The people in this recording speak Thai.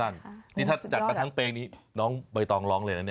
นี่ถ้าจัดกันทั้งเพลงนี้น้องใบตองร้องเลยนะเนี่ย